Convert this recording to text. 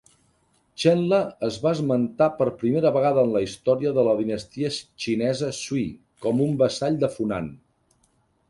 Chenla es va esmentar per primera vegada en la història de la dinastia xinesa Sui com un vassall de Funan.